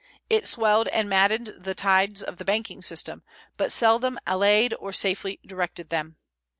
It swelled and maddened the tides of the banking system, but seldom allayed or safely directed them.